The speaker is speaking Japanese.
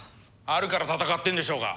あるから戦ってるんでしょうが！